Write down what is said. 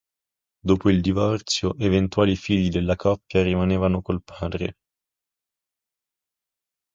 Dopo il divorzio, eventuali figli della coppia rimanevano col padre.